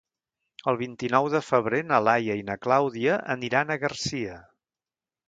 El vint-i-nou de febrer na Laia i na Clàudia aniran a Garcia.